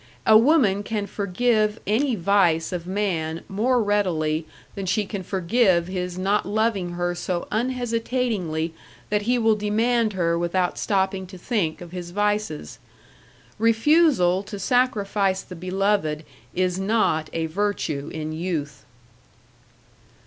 A woman can forgive any vice of man more readily than she can forgive his not loving her so unhesitatingly that he will demand her without stopping to think of his vices. Refusal to sacrifice the beloved is not a virtue in youth.